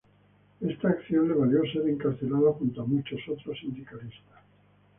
Esta acción le valió ser encarcelado, junto a muchos otros sindicalistas.